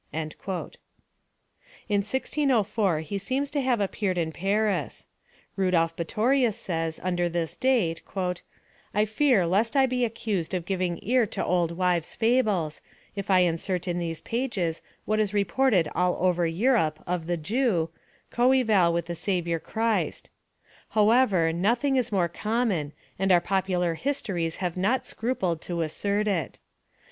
" In 1604 he seems to have appeared in Paris. Rudolph Botoreus says, under this date, "I fear lest I be accused of giving ear to old wives' fables, if I insert in these pages what is reported all over Europe of the Jew, coeval with the Savior Christ; however, nothing is more common, and our popular histories have not scrupled to assert it.